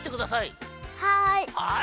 はい。